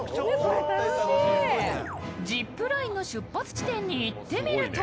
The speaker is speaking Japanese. ジップラインの出発地点に行ってみると